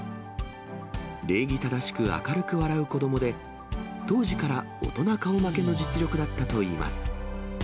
礼儀正しく、明るく笑う子どもで、当時から大人顔負けの実力だったといいます。